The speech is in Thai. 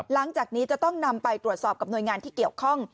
หลังจากนี้จะต้องนำไปตรวจสอบกับหน่วยงานที่เกี่ยวข้อง